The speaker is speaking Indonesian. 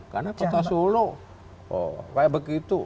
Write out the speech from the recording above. karena kota solo kayak begitu